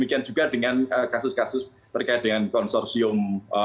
demikian juga dengan kasus kasus terkait dengan konsorsium tiga ratus tiga